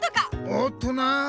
おっとな！